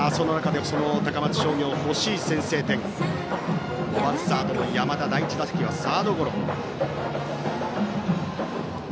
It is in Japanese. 高松商業、欲しい先制点バッターの山田、第１打席はサードゴロ。